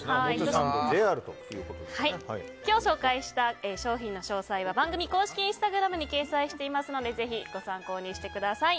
今日、紹介した商品の詳細は番組公式インスタグラムに掲載してありますのでぜひ、ご参考にしてください。